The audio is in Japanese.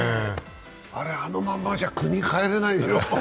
あれ、あのまんまじゃ国帰れない。